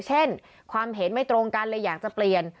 เช่นความเห็นไม่ตรงกันเลยอยากจะเปลี่ยน